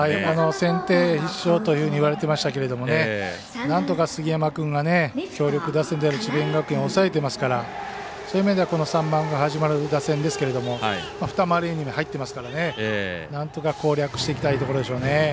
先手必勝というふうにいわれていましたけどなんとか杉山君が強力打線である智弁学園を抑えてますからそういう意味ではこの３番が始まる打線ですけども二回り目に入っていますからなんとか攻略していきたいところでしょうね。